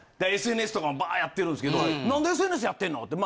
ＳＮＳとかもバーッやってるんすけどなんでＳＮＳやってんの？って